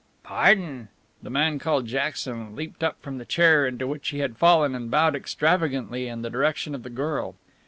"Pardon." The man called Jackson leapt up from the chair into which he had fallen and bowed extravagantly in the direction of the girl.